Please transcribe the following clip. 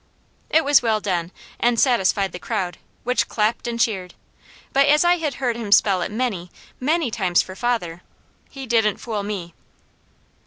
It was well done and satisfied the crowd, which clapped and cheered; but as I had heard him spell it many, many times for father, he didn't fool me.